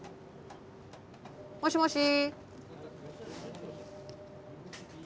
もしもし？